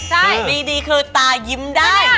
ใช่มีดีคือตายิ้มได้